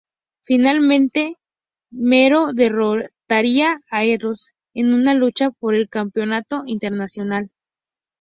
Finalmente, Mero derrotaría a Rhodes en en una lucha por el Campeonato Intercontinental.